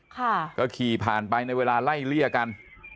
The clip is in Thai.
ค่ะก็ขี่ผ่านไปในเวลาไล่เลี่ยกัน